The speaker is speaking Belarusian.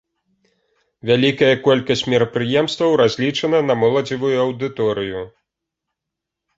Вялікая колькасць мерапрыемстваў разлічана на моладзевую аўдыторыю.